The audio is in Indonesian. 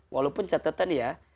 walaupun catatan ya